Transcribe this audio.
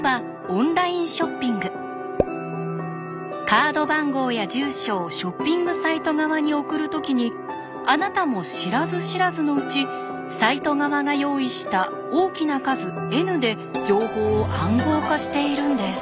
カード番号や住所をショッピングサイト側に送る時にあなたも知らず知らずのうちサイト側が用意した大きな数Ｎで情報を暗号化しているんです。